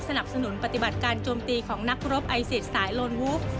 สนับสนุนปฏิบัติการโจมตีของนักรบไอซิสสายลนวูบ